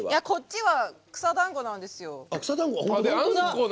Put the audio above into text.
こっちは草だんごなんですよ。